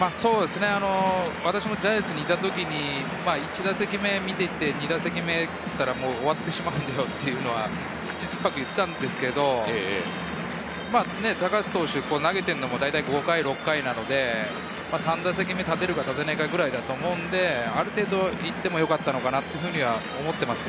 私もジャイアンツにいた時に、１打席目を見ていって、２打席目といったら、もう終わってしまうんだよというのは口酸っぱく話していたのですが、高橋投手、投げているのは５回・６回なので、３打席目に立てるか立てないかぐらいだと思うので、ある程度いってもよかったのかなとは思います。